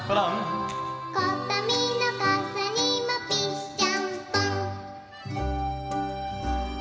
「ことみのかさにもピッシャンポン」